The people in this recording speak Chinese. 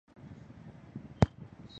大白藤为棕榈科省藤属下的一个种。